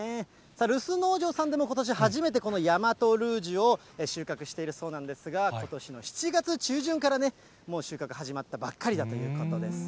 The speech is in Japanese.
留守農場さんでもことし初めてこの大和ルージュを収穫しているそうなんですが、ことしの７月中旬からもう収穫始まったばっかりだということです。